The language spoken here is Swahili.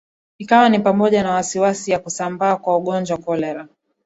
ikiwa ni pamoja na wasiwasi wa kusambaa kwa ugonjwa cholera